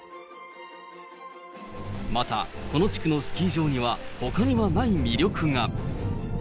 また、この地区のスキー場には、ほかにはない魅力が。